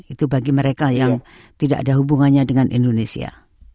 itu bagi mereka yang tidak ada hubungannya dengan indonesia